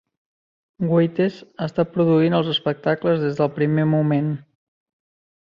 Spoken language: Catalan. Waites ha estat produint els espectacles des del primer moment.